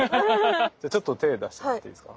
じゃあちょっと手出してもらっていいですか？